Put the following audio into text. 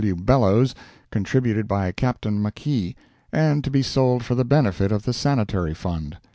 W. Bellows, contributed by Captain Makee, and to be sold for the benefit of the Sanitary Fund.